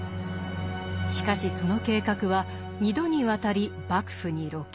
しかしその計画は二度にわたり幕府に露見。